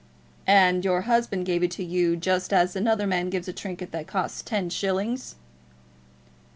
"And your husband gave it you just as another man gives a trinket that costs ten shillings!"